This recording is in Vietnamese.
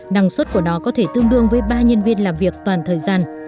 năng suất của nó có thể tương đương với ba nhân viên làm việc toàn thời gian